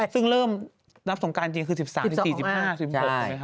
ซึ่งเริ่มนับสงการจริงคือ๑๓๑๔๑๕๑๗